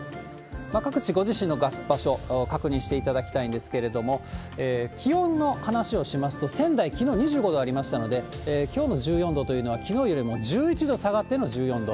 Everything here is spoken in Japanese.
各地、ご自身の場所、確認していただきたいんですけれども、気温の話をしますと、仙台、きのう２５度ありましたので、きょうの１４度というのは、きのうよりも１１度下がっての１４度。